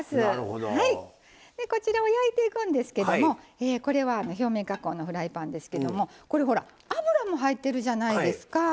でこちらを焼いていくんですけどもこれは表面加工のフライパンですけどもこれほら油も入ってるじゃないですか。